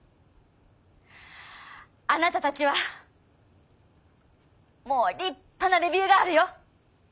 あなたたちはもう立派なレビューガールよ。